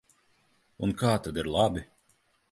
Un kā tad ir labi?